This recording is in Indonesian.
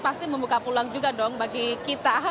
pasti membuka peluang juga dong bagi kita